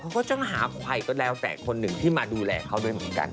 เขาก็จะหาใครก็แล้วแต่คนหนึ่งที่มาดูแลเขาด้วยเหมือนกัน